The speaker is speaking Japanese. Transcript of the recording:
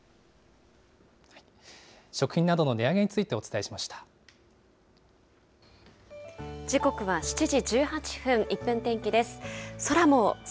食品などの値上げについてお時刻は７時１８分、１分天気です。